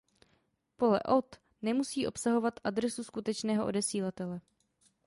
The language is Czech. Pole „Od“ nemusí obsahovat adresu skutečného odesílatele.